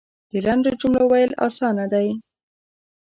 د لنډو جملو ویل اسانه دی .